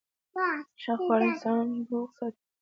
ښه خواړه انسان روغ ساتي.